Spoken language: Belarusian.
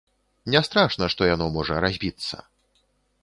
Не страшна, што яно можа разбіцца.